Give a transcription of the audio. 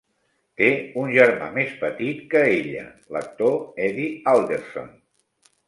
Té un germà més petit que ella, l'actor Eddie Alderson.